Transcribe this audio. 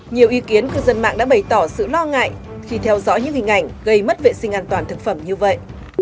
nhiều ý kiến cư dân mạng đã bày tỏ sự lo ngại khi theo dõi những hình ảnh gây mất vệ sinh an toàn thực phẩm như vậy